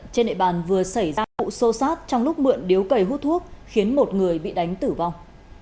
trên nệ bàn vừa xảy ra vụ sô sát trong lúc mượn điếu cầy hút thuốc khiến một người bị đánh tử vong